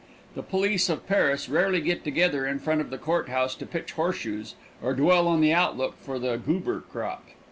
The police of Paris rarely get together in front of the court house to pitch horseshoes or dwell on the outlook for the goober crop.